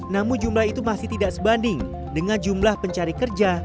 namun jumlah itu masih tidak sebanding dengan jumlah pencari kerja